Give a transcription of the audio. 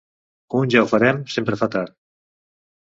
Un «ja ho farem!» sempre fa tard.